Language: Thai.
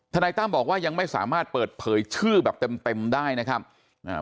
นายตั้มบอกว่ายังไม่สามารถเปิดเผยชื่อแบบเต็มเต็มได้นะครับอ่า